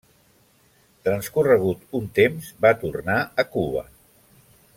Transcorregut un temps va tornar a Cuba.